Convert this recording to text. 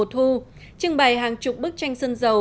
trưng bày hàng chục bức tranh sân dầu